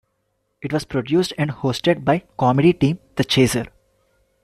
It was produced and hosted by comedy team The Chaser.